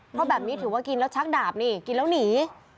เพราะแบบนี้ถือว่ากินแล้วชักดาบนี่กินแล้วหนี